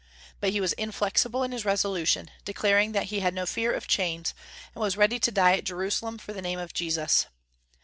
But he was inflexible in his resolution, declaring that he had no fear of chains, and was ready to die at Jerusalem for the name of Jesus.